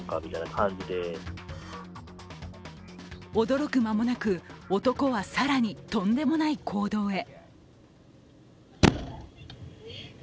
驚く間もなく男は更にとんでもない行動へ。